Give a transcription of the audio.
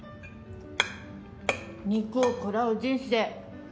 肉を食らう人生